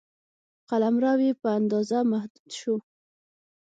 قلمرو یې په اندازه محدود شو.